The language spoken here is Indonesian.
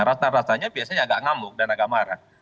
rasa rasanya biasanya agak ngamuk dan agak marah